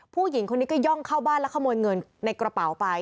ผู้หญิงคนนี้ก็ย่องเข้าบ้านแล้วขโมยเงินในกระเป๋าไป